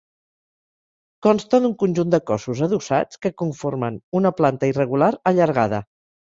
Consta d'un conjunt de cossos adossats que conformen una planta irregular allargada.